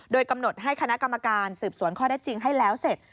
โดยกำหนดให้คณะกรรมการสืบสวนข้อได้จริงให้แล้วเสร็จ